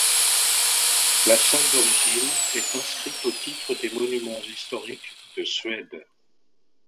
La salle d'origine est inscrite au titre des Monuments historiques de Suède.